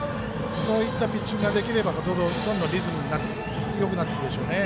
そういったピッチングができればどんどんリズムがよくなってくるでしょうね。